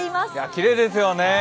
きれいですよね。